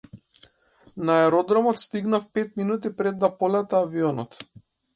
На аеродромот стигнав пет минути пред да полета авионот.